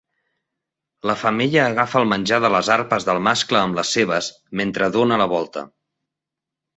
La femella agafa el menjar de les arpes del mascle amb les seves, mentre dóna la volta.